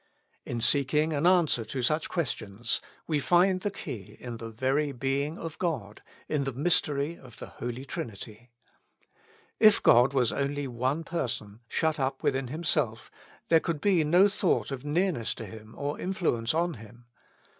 In seeking an answer to such questions, we find the key in the very being of God, in the mystery of the Holy Trinity. If God was only one Person, shut up within Himself, there could be no thought of nearness to Him or influence on Him.